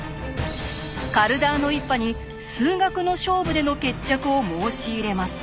カルダーノ一派に数学の勝負での決着を申し入れます。